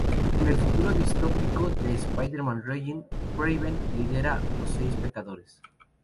En el futuro distópico de "Spider-Man: Reign", Kraven lidera los Seis Pecadores.